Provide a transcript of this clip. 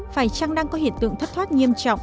phải chăng đang có hiện tượng thất thoát nghiêm trọng